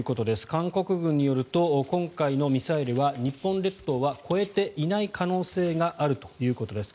韓国軍によると今回のミサイルは日本列島は越えていない可能性があるということです。